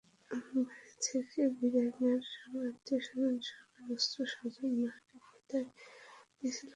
বাড়ি থেকে বিদায় নেওয়ার সময় আত্মীয়স্বজন সবাই অশ্রুসজল নয়নে বিদায় দিয়েছিল আমায়।